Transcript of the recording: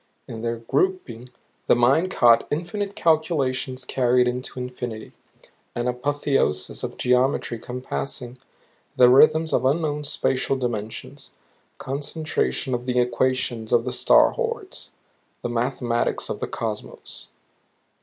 In their grouping the mind caught infinite calculations carried into infinity; an apotheosis of geometry compassing the rhythms of unknown spatial dimensions; concentration of the equations of the star hordes. The mathematics of the Cosmos.